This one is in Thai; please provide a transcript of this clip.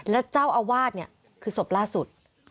และเจ้าอาวาสเนี่ยคือศพล่าสุด